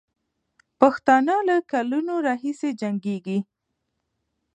پښتانه له کلونو راهیسې جنګېږي.